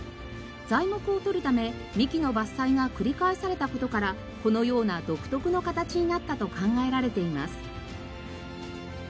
材木を採るため幹の伐採が繰り返された事からこのような独特の形になったと考えられています。